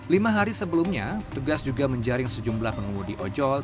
lima hari sebelumnya petugas juga menjaring sejumlah pengumudi ojol